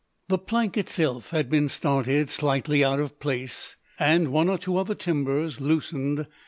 The plank itself had been started slightly out of place aid one or two other timbers loosened.